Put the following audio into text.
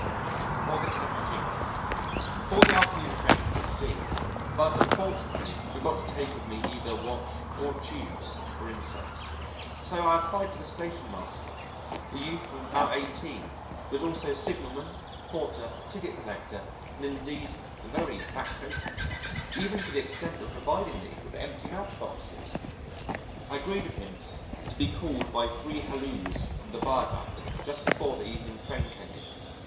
August 17. Caught the afternoon train to C , but unfortunately forgot to take with me either watch or tubes (for insects). So I applied to the station master, a youth of about eighteen, who is also signalman, porter, ticket collector, and indeed very factotal even to the extent of providing me with empty match boxes. I agreed with him to be called by three halloos from the viaduct just before the evening train came in.